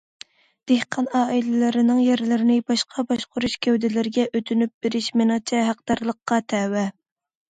دېھقان ئائىلىلىرىنىڭ يەرلىرىنى باشقا باشقۇرۇش گەۋدىلىرىگە ئۆتۈنۈپ بېرىشى مېنىڭچە ھەقدارلىققا تەۋە.